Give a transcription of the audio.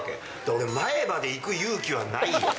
俺、前歯でいく勇気はないよ。